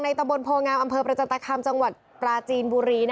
ในตะบนโภงามนรประจันตรเขิมจังหวัดปราจีนบุรี